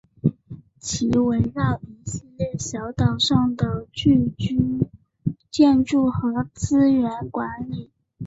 其围绕一系列小岛上的聚居建筑和资源管理。